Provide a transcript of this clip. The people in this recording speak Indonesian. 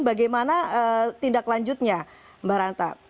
bagaimana tindak lanjutnya mbak ranta